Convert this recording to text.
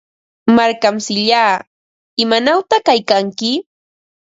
Markamsillaa, ¿imanawta kaykanki?